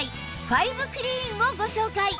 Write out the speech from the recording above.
ファイブクリーンをご紹介！